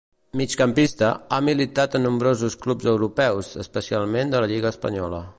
Migcampista, ha militat en nombrosos clubs europeus, especialment de la lliga espanyola.